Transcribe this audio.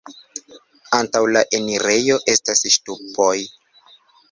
Antaŭ la enirejo estas ŝtupoj.